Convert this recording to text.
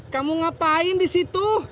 kamu ngapain di situ